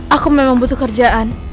aku memang butuh kerjaan